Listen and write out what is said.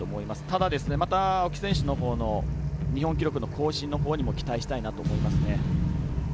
ただ、青木選手のほうの日本記録の更新にも期待したいなと思いますね。